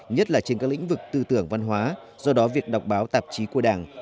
nhất là trên các lĩnh vực tư tưởng văn hóa do đó việc đọc báo tạp chí của đảng